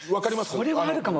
あそれはあるかも。